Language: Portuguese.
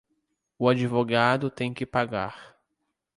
O advogado tem que pagar.